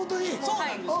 そうなんです。